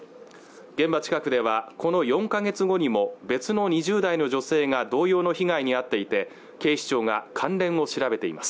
現場近くではこの４か月後にも別の２０代の女性が同様の被害に遭っていて警視庁が関連を調べています